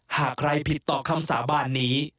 หากใครผิดต่อคำสาบานนี้